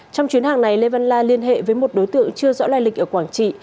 trong chuyến hàng này lê văn la liên hệ với một đối tượng chưa rõ lai lịch ở quảng trị